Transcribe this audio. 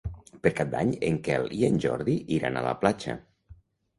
Per Cap d'Any en Quel i en Jordi iran a la platja.